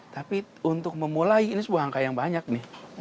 tapi untuk memulai ini sebuah angka yang banyak nih